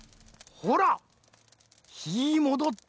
ほらひもどった。